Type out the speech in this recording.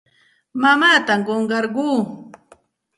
Mamaatam qunqarquu.